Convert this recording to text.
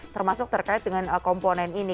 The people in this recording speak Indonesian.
termasuk terkait dengan komponen ini